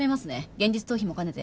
現実逃避も兼ねて。